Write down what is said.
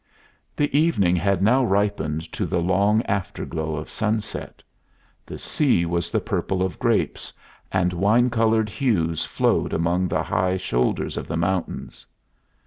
The evening had now ripened to the long after glow of sunset. The sea was the purple of grapes, and wine colored hues flowed among the high shoulders of the mountains.